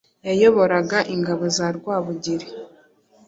Yayoboraga ingabo za Rwabugiri,